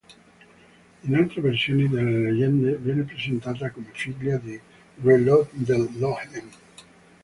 In altre versioni delle leggende viene presentata come figlia di re Lot del Lothian.